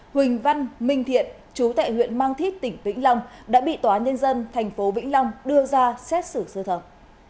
huỳnh văn minh thiện chú tại huyện mang thít tỉnh vĩnh long đã bị tòa nhân dân tp vĩnh long đưa ra xét xử sơ thẩm